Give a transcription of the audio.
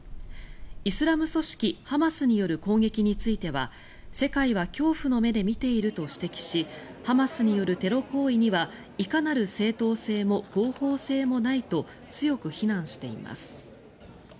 イスラム組織ハマスによる攻撃については世界は恐怖の目で見ていると指摘しハマスによるテロ行為にはいかなる正当性も合法性もないと強く非難しています。